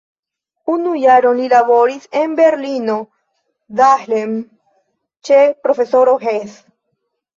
Unu jaron li laboris en Berlino-Dahlem ĉe profesoro Hess.